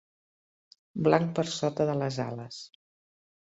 Blanc per sota de les ales.